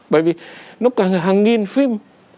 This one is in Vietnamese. bởi vì nó có hàng nghìn phim